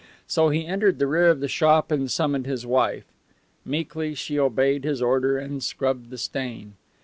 So he entered the rear of the shop and summoned his wife. Meekly she obeyed his order and scrubbed the stain.